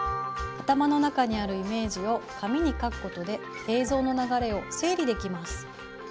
頭の中にあるイメージを紙に描くことで映像の流れを整理できます。